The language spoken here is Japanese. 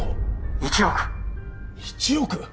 １億１億！？